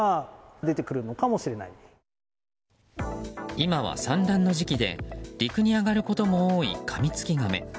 今は産卵の時期で陸に上がることも多いカミツキガメ。